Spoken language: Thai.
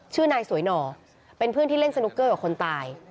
ชื่อนายสวยหน่อเป็นเพื่อนที่เล่นสนุกเกอร์กับคนตาย